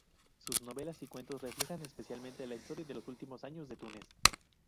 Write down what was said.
Sus novelas y cuentos reflejan especialmente la historia de los últimos años de Túnez.